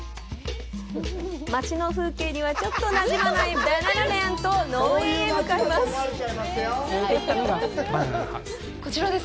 町の風景にはなじまないバナナメンと農園へ向かいます。